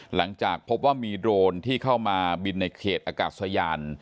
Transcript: หลังจากพบว่ามีโดรนที่เข้ามาบินในเขตอากาศยาน